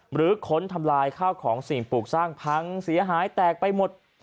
ค้นทำลายข้าวของสิ่งปลูกสร้างพังเสียหายแตกไปหมด